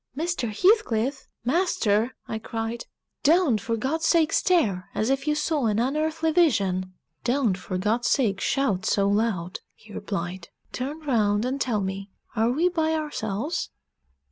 "Mr. Heathcliff! master!" I cried. "Don't, for God's sake, stare as if you saw an unearthly vision." "Don't, for God's sake, shout so loud," he replied. "Turn round and tell me, are we by ourselves?"